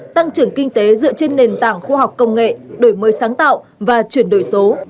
tăng trưởng kinh tế dựa trên nền tảng khoa học công nghệ đổi mới sáng tạo và chuyển đổi số